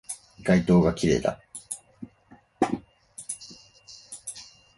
街灯が綺麗だ